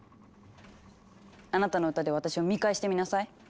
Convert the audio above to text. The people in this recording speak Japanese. あなたの歌で私を見返してみなさい。